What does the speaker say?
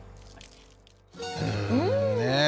うんねえ。